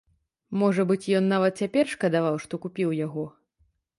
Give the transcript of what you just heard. Можа быць, ён нават цяпер шкадаваў, што купіў яго.